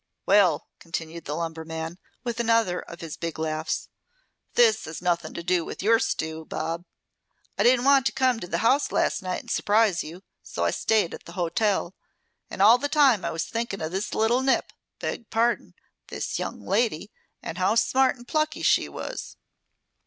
"Well!" continued the lumberman, with another of his big laughs. "This has nothing to do with your stew, Bob. I didn't want to come to the house last night and surprise you; so I stayed at the hotel. And all the time I was thinking of this little nip, Beg pardon! This young lady, and how smart and plucky she was.